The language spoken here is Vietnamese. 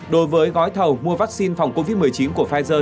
đối với gói thầu mua vắc xin phòng covid một mươi chín của pfizer